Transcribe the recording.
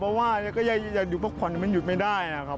เพราะว่าอยากอยู่พวกควรมันหยุดไม่ได้นะครับ